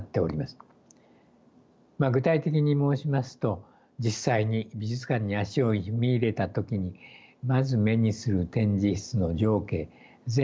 具体的に申しますと実際に美術館に足を踏み入れた時にまず目にする展示室の情景全体を映し出す。